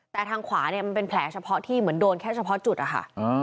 แต่ทางขวาเนี่ยมันเป็นแผลเฉพาะที่เหมือนโดนแค่เฉพาะจุดอะค่ะ